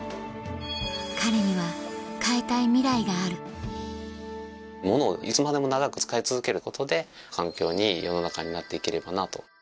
彼には変えたいミライがある物をいつまでも長く使い続けることで環境にいい世の中になっていければなと。